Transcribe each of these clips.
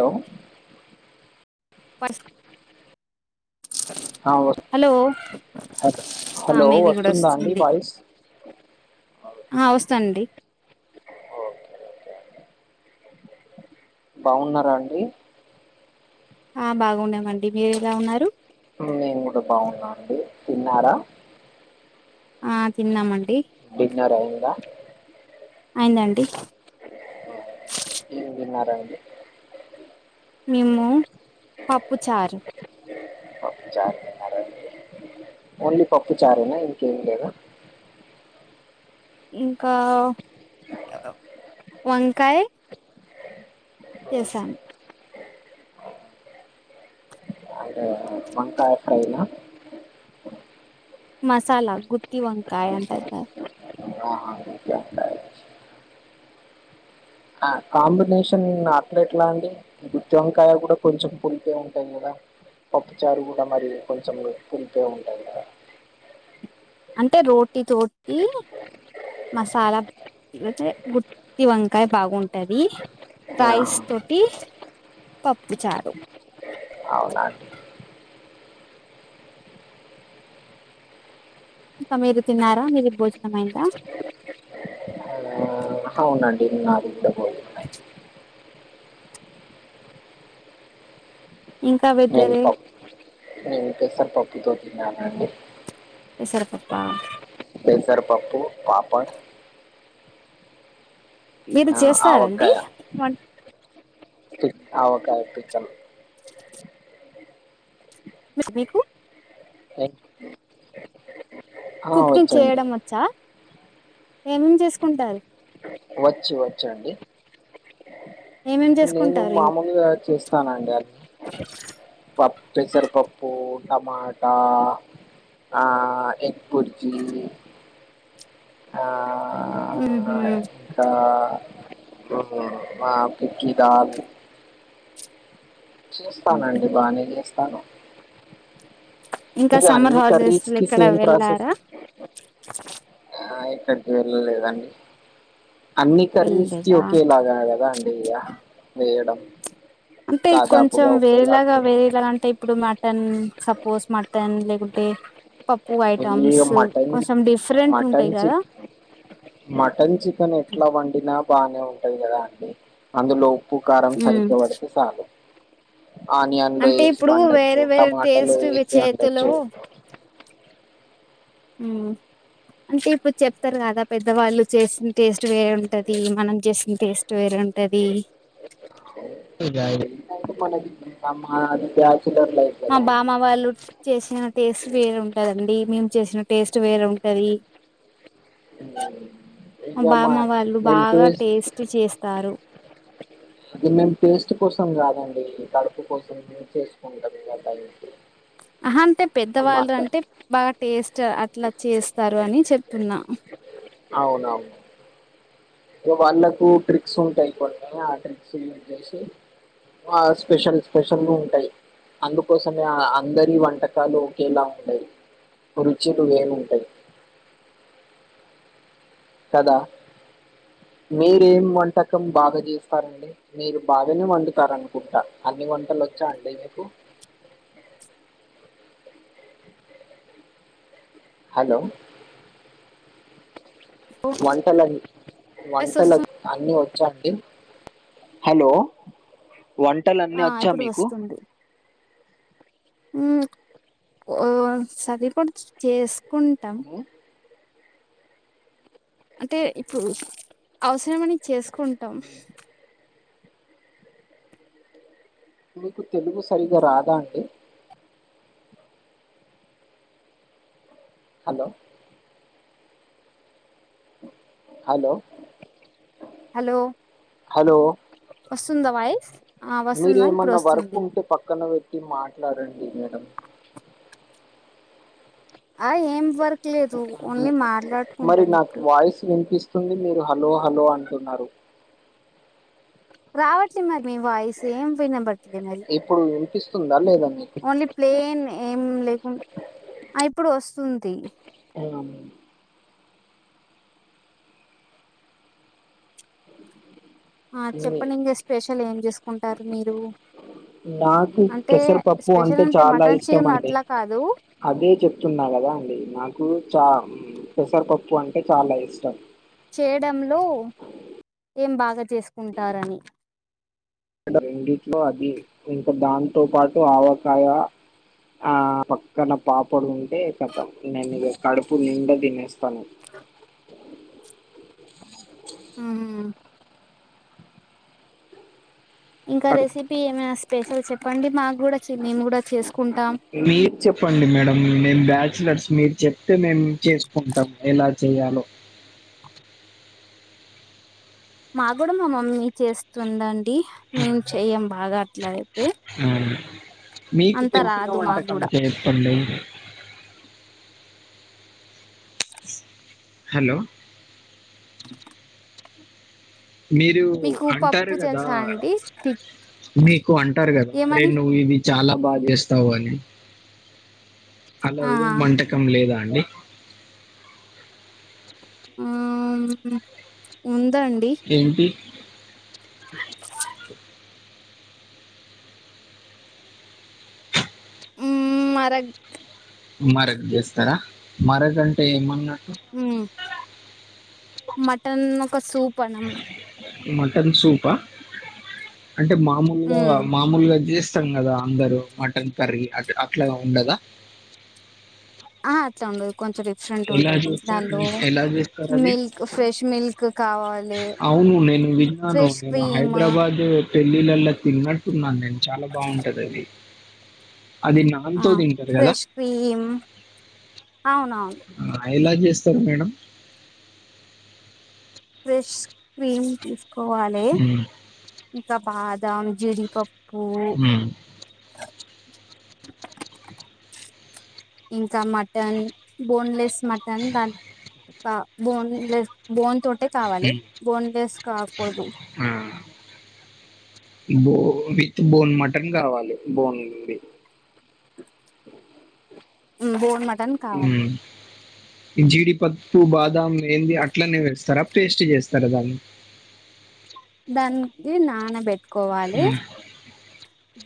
Hello hello హ ఆ hello మీది కూడా వస్తుందా అండి వస్తుంది వాయిస్ ఆ వస్తాండి బాగున్నారా అండి ఆ బాగున్నామండి మీరు ఎలా ఉన్నారు మేము కూడా బాగున్నామండి తిన్నారా ఆ తిన్నామండి డిన్నర్ అయిందా అయిందండి ఎం తిన్నారండి మేమ్ము పప్పు చారు పప్పు చారు మరేంటి ఓన్లీ పప్పు చారేనా ఇంక్ ఎం లేదా ఇంకా వంకాయ చేశాను అంటే వంకాయ ఫ్రైనా మసాలా గుత్తి వంకాయ అంటారుగా ఆ గుత్తి వంకాయ [inaudible] ఆ కాంబినేషన్ అట్లట్లా అండి గుత్తి వంకాయ కూడా కొంచెం పులిపే ఉంటాది కదా పప్పుచారు కూడా మరియు కొంచెం పులిపే ఉంటది కదా అంటే రోటి తోటి మసాలా [unintelligible] గుత్తి వంకాయ బాగున్ టది ఆహా, రైస్ తోటి పప్పు చారు అవ్నా అండి ఇంకా మీరు తిన్నారా మీది భోజనం అయిందా హావ్వునండి నాది కూడ పోయి ఇంకా నేను వెదరే పప్ నేను పప్పు పెసరపప్పుతో తిన్నానండి పెసర పప్పా పెసరపప్పు పాపడ్ మీరు ఆ, చేస్తారండి ఆవకాయ వంట్ పి అవకాయ్ పికెల్ మరి మీకు [unintelligible] ఆ, కుకింగ్ వచ్చండి చేయడం వచ్చా ఏమేం చేసుకుంటారు వచ్చు వచ్చు అండి ఏమేం నేను చేసుకుంటారు ఇం మామూలుగా చేస్తానండి అది పప్ పెసరపప్పు టమాటా ఆ ఎక్పుర్జీ ఆ దా మ్మ్ ఆ పిక్కీ దాల్ చేస్తానండి బానే చేస్తాను ఇంకా ఇగ సమ్మర్ అన్ని హాలిడేస్ కర్రీస్ లో కి ఎక్కడ సేమ్ ప్రోసెస్ వెళ్ళారా ఎక్కడికి వెళ్ళ లేదండి అన్ని కర్రీస్ కి వెళ్ళలేదా ఒకేలాగ కదా అండి ఇక వేయడం అంటే కొంచెం దాదాపుగా ఒకేలాగా వేరేలాగ ఉంటది వేరేలగ అంటే ఇప్పుడు మా మటన్ సపోజ్ మటన్ లేకుంటే పప్ పూ ఈ ఐటమ్స్ మటన్ కొంచెం డిఫరెంట్ మటన్ ఉంటాయి చి కదా మటన్ చికన్ ఎట్ల వండిన బానే ఉంటది కదా అండి అందులో ఉప్పు కారం సరిగ్గా పడితే చాలు ఆనియన్లు అంటే ఏసి ఇప్పుడు వండచ్చు వేరే వేరే టమాటలు టేస్ట్ వేసి చేతిలో వండచ్చు ఉ అంటే ఇప్పుడు చెప్తారు కదా పెద్దవాళ్ళు చేసిన టేస్ట్ వేరే ఉంటది మనం చేసిన టేస్ట్ వేరే ఉంటది ఇగ అది మా బామ్మ వాళ్ళు చేసిన టేస్ట్ వేరు ఉంటదండి మేం చేసిన టేస్ట్ వేరుంటది మా బామ్మ వాళ్ళు బాగ టేస్ట్ చేస్తారు అది మేము పేస్ట్ కోసం కాదండి కడుపు కోసం మీ చేసుకుంటాం ఇగ ఆటైంకి ఆ హా అంటే పెద్దవాళ్ళు అంటే బాగా టేస్ట్ అట్లా చేస్తారు అని చెప్తున్నా అవున ఇగ వాళ్ళకు ట్రిక్స్ ఉంటాయి కొన్ని ఆ ట్రిక్స్ యూస్ చేసి ఆ స్పెషల్ స్పెషల్ ఉంటయ్ అందుకోసమే అ అందరి వంటకాలు ఒకేలా ఉండయి రుచిలు వేరు ఉంటాయి కద మీరేం వంటకం బాగా చేస్తారండి మీరు బాగానే వండుతార అనుకుంటా అన్ని వంటల్ వచ్చా అండి మీకు హలో వంటల్ అన్ని వాయిస్ వంటల్ వస్తు అన్ని వ వచ్చా అండి హలో వంటలన్నీ ఆ వచ్చా ఇప్పుడు మీకు వస్తుంది [unintelligible] చేసుకుంటాం ఉమ్, అంటే ఇప్పుడు అవసరంమని చేసుకుంటాం మీకు తెలుగు సరిగ రాద అండి హలో హలో హలో హలో వస్తుందా వాయిస్ ఆ మీరు వస్తుందా ఇప్పుడు ఎమన్నా వర్క్ వస్తుంది ఉంటే పక్కన పెట్టి మాట్లాడండి మేడం ఆ ఏం వర్క్ లేదు ఓన్లీ మాట్లాడుకుంటాను ఇప్పుడు వస్తుంది మీరు హలో హలో అంటున్నారు రావట్లే మరి మీ వాయిస్ ఏం వినంబ మరి ఇప్పుడు వినిపిస్తుందా లేదా మీకు ఓన్లీ ప్లేన్ ఏం లేకు ఇప్పుడు వస్తుంది అ ఆ చెప్పండి ఇంక స్పెషల్ ఏం చేసుకుంటారు మీరు నాకు అంటే పెసరపప్పు స్పెషల్ అంటే చాలా మటన్ ఇష్టం చికెన్ అండి అట్లా కాదు అదే చెప్తున్నా కదా అండి నాకు చా పెసరపప్పు అంటే చాలా ఇష్టం చేయడంలో ఏం బాగా చేసుకుంటారని రెండిట్లో అది ఇంకా దాంతో పాటు ఆవకాయ ఆ పక్కన పాపడు ఉంటే కతం నేను ఇగ కడుపు నిండా తినేస్ పని ఉహు ఇంకా కడుపు రెసిపీ ఏమైనా స్పెషల్ చెప్పండి మాకు కూడా చే- మేము కూడా చేసుకుంటాం మీరు చెప్పండి మేడం మేం బ్యాచలర్స్ మీరు చెప్తే మేము చేసుకుంటాము ఎలా చేయాలో మా కూడా మా మమ్మీ చేస్తుండండి మేము చెయ్యం బాగా అట్లా అయితే అవును. మీకు అంత తెలిసిన రాదు మాకు వంటకం కూడా చేప్పండి హలో మీరు మీకు అంటారు పప్పు కదా తెలుసా అండి తి- మీకు అంటారు కదా అరే ఏమని నువ్వు ఇది చాలా బాగా చేస్తావు అని అలా ఆ ఏం వంటకం లేదా అండి ఆ వున్ ఏంటి ఊ మరగ్ మరగ్ చేస్తారా మరగ అంటే ఏమన్నా ఊ మటన్ ఒక సూపనమ్మా మటన్ సూపా అంటే మామూలుగా మ్మ్ మామూలుగా చేసి ఇష్టం కదా అందరు మటన్ కర్రీ అ అట్లా ఉండదా ఆ అట్లా ఉండదు కొంచెం డిఫరెంట్ ఎలా ఉంటుంది చేస్తారు దానిలో ఎలా చేస్తారు అది మిల్క్ ఫ్రెష్ మిల్క్ కావాలి అవును నేను వినాను ఫ్రెష్ నేను క్రీమ్ హైదరాబాద్ పెళ్ళిళ్ళలో తిన్నట్టున్నాను నేను చాలా బాగుంటది అది అది నాల్ ఆ తో తింటారు కదా ఫ్రెష్ క్రీమ్ అవునవును ఐలాస్ చేస్తారు మేడం ఫ్రెష్ క్రీమ్ తీసుకోవాలి హ్మ్. ఇంకా బాదం జీడిపప్పు పో హ్మ్. ఇంకా మటన్ బోన్లెస్ మటన్ దాని క బోన్లెస్ బోన్ తోటే కావాలి హ్మ్. బోన్లెస్ కాకూడదు బోది బోన్ మటన్ కావాలి బోన్ ది ఉ బోన్ మటన్ కావాలి ఈ జీడిపప్పు బాదం మేందీ అట్లనే వేస్తారా టేస్ట్ చేస్తారా దాన్ని దానికి నానబెట్టుకోవాలి హ్మ్.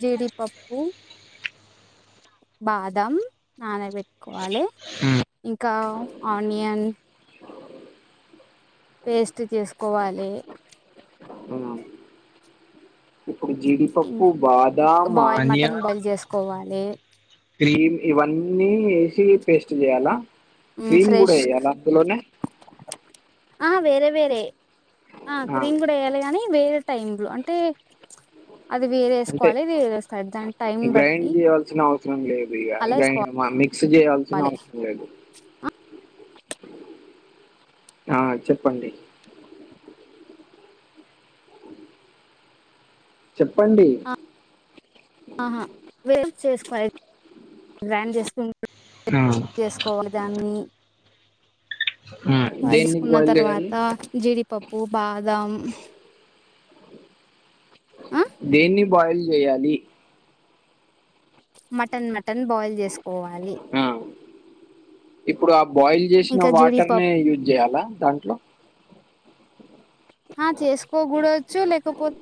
జీడి పప్పు బాదం నానబెట్టుకోవాలి హ్మ్. ఇంకా ఆనియన్ పేస్ట్ చేసుకోవాలి హ్మ్. ఇప్పుడు ఇం జీడిపప్పు, బాదాం, బాయి మటన్ ఆనియన్, బాయిల్ చేసుకోవాలి క్రీమ్ ఇవన్నీ వేసి పేస్ట్ చేయాలా క్రీమ్ కూడా ఫ్రెష్ ఏయ్యలా అందులోనే ఆ వేరే వేరే ఆ క్రీమ్ కూడా వేయాలి గానీ వేరే టైమ్ లో అంటే అది వేరే అంటే వేసుకోవాలి ఇది వేరే వేసుకోవాలి దాని టైం గ్రైండ్ బట్టి చేయాల్సిన అవసరం లేదు ఇక అలా గై వేసుకోవాలి మమ్మి సెజ్ జెయాల్సిన అవసరం లేద్ ఆ చెప్పండి చెప్పండి ఆహా వేస్ట్ చేసుకో గ్రైండ్ చేసుకుం ఆ చేసుకోవాలి దాన్ని ఆ వాల్ దేన్ని చేసుకున్న బాయిల్ చేయాలి తర్వాత జీడిపప్పు బాదం ఆ దేన్ని బాయిల్ చేయాలి మటన్ మటన్ బాయిల్ చేసుకోవాలి ఆ ఇప్పుడు ఆ బాయిల్ చేసిన ఇంకా వాటర్నే జీడిపప్పు యూజ్ చేయాలా దాంట్లో హా చేసుకోకూడవచ్చు లేకపోత్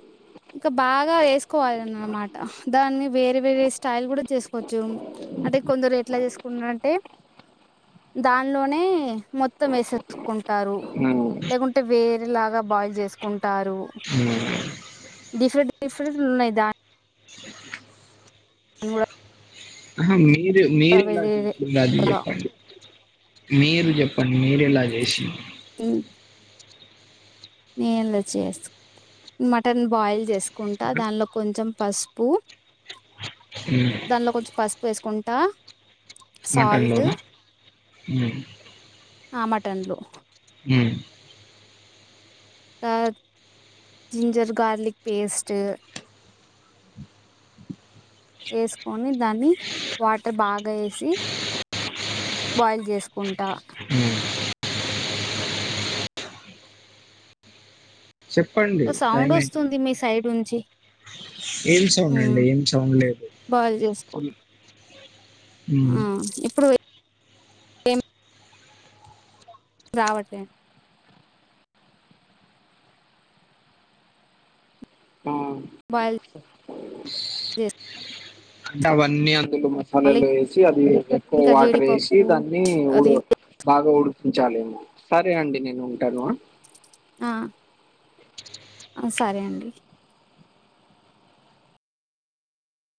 ఇంకా బాగా వేసుకోవాలిని అనమాట దాన్ని వేరే వేరే స్టైల్ కూడా చేసుకోవచ్చు అంటే కొందరు ఎట్ల చేసుకున్నరంటే దానిలోనే మొత్తం వేసేసుకుంటారు ఆ, లేకుంటే వేరేలాగా బాయిల్ చేసుకుంటారు డిఫరెంట్ డిఫరెంట్ లు ఉన్నాయి దా అహ్ మీరు మీరేలా వేరే చేసిళ్ అది చెప్పండి మీరు చెప్పండి మీరెలా చేసిర్ ఏం లే చేస్ మటన్ బాయిల్ చేసుకుంటా దానిలో కొంచెం పసుపు దానిలో కొంచెం పసుపు వేసుకుంటా మటన్లో సాల్ట్ హు ఆ మటన్లో హు ఆ జింజర్ గార్లీక్ పేస్ట్ వేస్కొని దాన్ని వాటర్ బాగా ఏసి బాయిల్ చేసుకుంటా చెప్పండి టైం సౌండ్ అయిపోయింది వస్తుంది మీ సైడ్ నుంచి ఏం సౌండ్ ఉమ్ అండి ఏం సౌండ్ లేదు బాయిల్ చేసుకో ఉమ్ ఆ ఇప్పుడు రావటే ఆ బయిల్ దేస్ అంటావన్నీ అను లు మసాలాలు వేసి అది ఎక్కువ ఇంకా వాటర్ వేసి జీడిపప్పు దాన్ని ఉడ అది బాగా ఉడిపించాలేమో సరే అండి నేను ఉంటాను ఆ సరే అండి